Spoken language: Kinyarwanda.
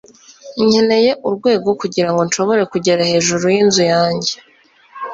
nkeneye urwego kugirango nshobore kugera hejuru yinzu yanjye